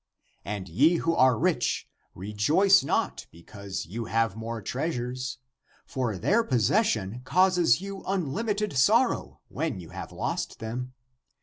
And ye who are rich, rejoice not because you have more treasures! For their possession causes you unlimited sorrow, when you have lost them.